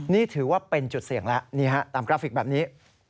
นี่ถือว่าเป็นจุดเสี่ยงแล้วนี่ฮะตามกราฟิกแบบนี้